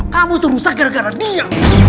kamu terus segar gara dia